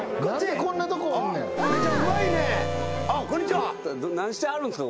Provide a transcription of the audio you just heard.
こんなとこで。